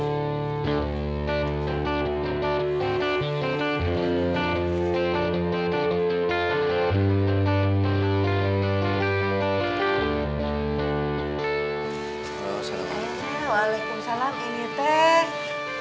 waalaikumsalam ini teh